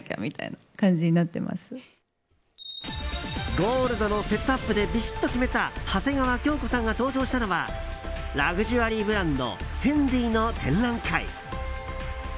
ゴールドのセットアップでびしっと決めた長谷川京子さんが登場したのはラグジュアリーブランドフェンディの展覧会。